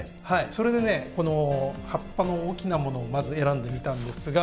それでね葉っぱの大きなものをまず選んでみたんですが。